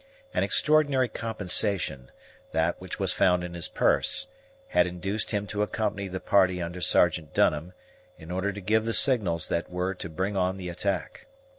An extraordinary compensation that which was found in his purse had induced him to accompany the party under Sergeant Dunham, in order to give the signals that were to bring on the attack.